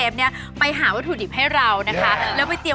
ก็นายเห็นหน้าเชฟเรารู้แล้วว่ามันต้องอร่อย